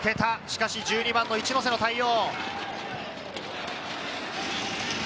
しかし１２番の市瀬の対応。